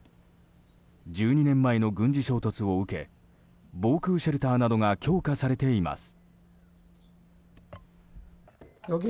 １２年前の軍事衝突を受け防空シェルターなどが強化されています。